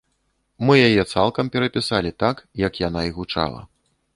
Мы яе цалкам перапісалі, так, як яна і гучала.